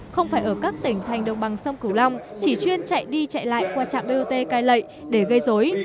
không phải ở các tỉnh thành đồng bằng sông cửu long chỉ chuyên chạy đi chạy lại qua trạm bot cai lệ để gây dối